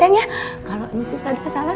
makeup atau ada apa